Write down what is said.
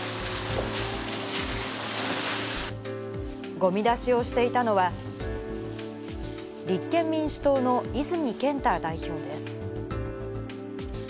ごみ出しをしていたのは、立憲民主党の泉健太代表です。